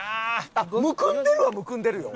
あっむくんでるはむくんでるよ。